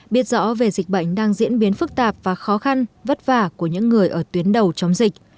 biết rõ về dịch bệnh đang diễn biến phức tạp và khó khăn vất vả của những người ở tuyến đầu chống dịch